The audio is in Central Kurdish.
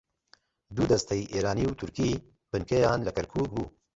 دوو دەستەی ئێرانی و تورکی بنکەیان لە کەرکووک بوو